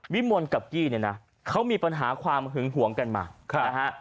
วิมลกับกี้เนี่ยนะเขามีปัญหาความหึงหวงกันมานะฮะ